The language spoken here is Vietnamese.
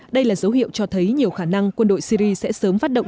đây là dấu hiệu cho thấy nhiều khả năng quân đội syri sẽ sớm phát động